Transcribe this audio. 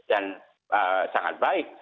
dan sangat baik